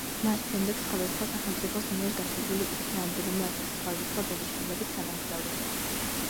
მას შემდეგ სხვადასხვა სახელმწიფოს მიერ გაშვებულ იქნა რამდენიმე ათასი სხვადასხვა დანიშნულების თანამგზავრი.